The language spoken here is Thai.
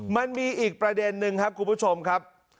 มันมีอีกประเด็นนึงครับคุณผู้ชมครับ